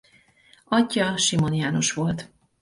Atyja Simon János volt.